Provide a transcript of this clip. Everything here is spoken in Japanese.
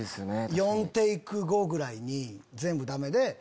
４テイク後ぐらいに全部ダメで。